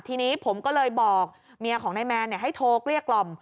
ทีนี้ผมก็เลยบอกเมียของนายแมนให้โทรเกลี้ยกล่อม